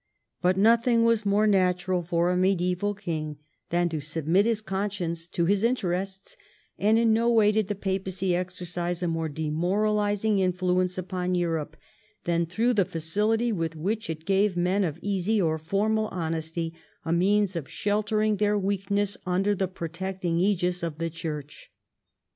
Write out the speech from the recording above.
But nothing was more natural for a mediaeval king, than to submit his conscience to his interests, and in no way did the papacy exercise a more demoralising influence upon Europe, than through the facility with which it gave men of easy or formal honesty a means of shelter ing their weakness under the protecting aegis of the Church.